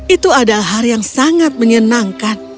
itu adalah hal yang sangat menyenangkan